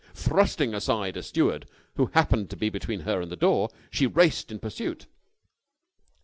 Thrusting aside a steward who happened to be between her and the door, she raced in pursuit.